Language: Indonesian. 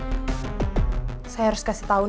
agak mudah tapi agak suka saja kayaknya